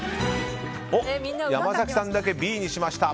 山崎さんだけＢにしました。